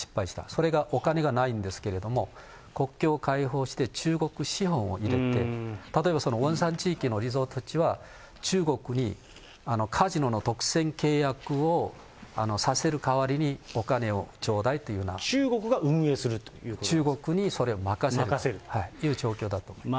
それが、お金がないんですけれども、国境開放して中国資本を入れて、例えばそのウォンサン地域のリゾート地は、中国にカジノの独占契約をさせるかわりにお金を頂戴っていうよう中国が運営するということで中国にそれ任せるという状況だと思います。